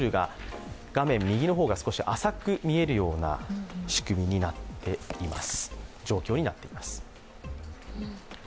画面右の方が少し浅く見える状況になっています。